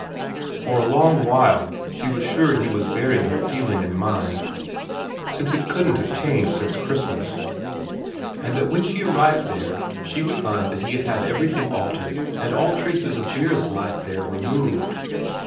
For a long while she was sure he was bearing her feeling in mind, since it couldn't have changed since Christmas, and that when she arrived there she would find that he had had everything altered and all traces of Vera's life there removed.